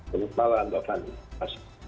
selamat malam bapak